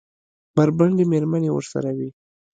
بربنډې مېرمنې ورسره وې.